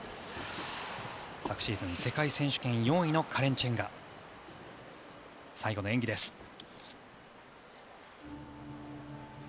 昨シーズン、世界選手権４位のカレン・チェンが最後の演技です。